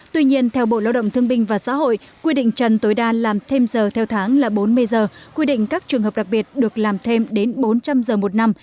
tuy nhiên theo bộ lao động thương binh và xã hội quy định trần tối đa làm thêm giờ theo tháng là bốn mươi giờ quy định các trường hợp đặc biệt được làm thêm đến bốn trăm linh giờ một năm